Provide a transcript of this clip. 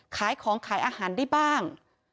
ขายของขายอาหารได้บ้าง